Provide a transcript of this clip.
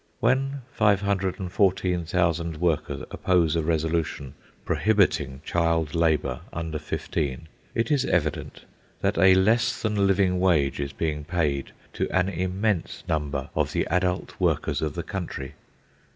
When 514,000 workers oppose a resolution prohibiting child labour under fifteen, it is evident that a less than living wage is being paid to an immense number of the adult workers of the country.